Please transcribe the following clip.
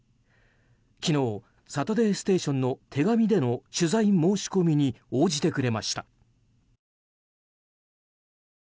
昨日「サタデーステーション」の手紙での取材申し込みに応じてくれました。